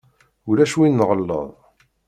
Ulac win nɣelleḍ.